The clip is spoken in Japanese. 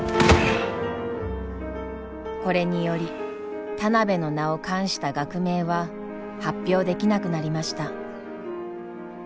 これにより田邊の名を冠した学名は発表できなくなりました。